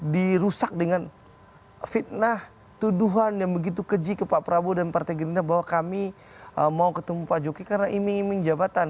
dirusak dengan fitnah tuduhan yang begitu keji ke pak prabowo dan partai gerindra bahwa kami mau ketemu pak jokowi karena iming iming jabatan